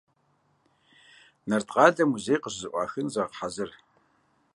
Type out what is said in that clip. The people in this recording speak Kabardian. Нарткъалъэ музей къыщызэӏуахыну загъэхьэзыр.